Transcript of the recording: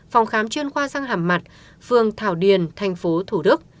phòng khám chuyên khoa răng hàm mặt phường thảo điền thành phố thủ đức